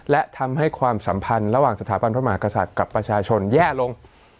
และทำให้ความสัมพันธ์ระหว่างสถาบันพระมหากษัตริย์กับประชาชนแย่ลง